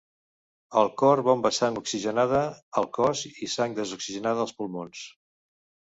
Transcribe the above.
El cor bomba sang oxigenada al cos i sang desoxigenada als pulmons.